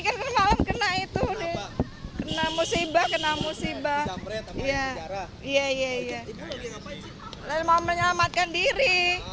lalu mau menyelamatkan diri